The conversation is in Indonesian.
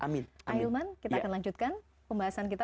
ayo kita akan lanjutkan pembahasan kita